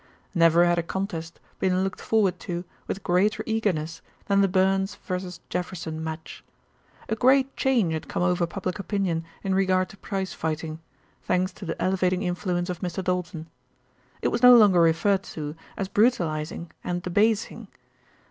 Never had a contest been looked forward to with greater eagerness than the Burns v. Jefferson match. A great change had come over public opinion in regard to prize fighting, thanks to the elevating influence of Mr. Doulton. It was no longer referred to as "brutalising" and "debasing."